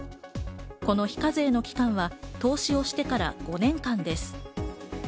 この非課税の期間は投資をしてから５年間です。